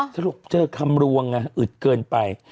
สรุปเจอคำรวงอึดเกินไป